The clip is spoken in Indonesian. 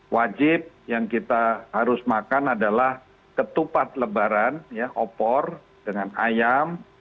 wajib yang kita harus makan adalah ketupat lebaran opor dengan ayam